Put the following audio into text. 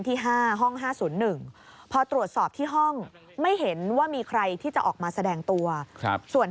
ที่๕ห้อง๕๐๑พอตรวจสอบที่ห้องไม่เห็นว่ามีใครที่จะออกมาแสดงตัวส่วน